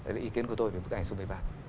đấy là ý kiến của tôi về bức ảnh số một mươi ba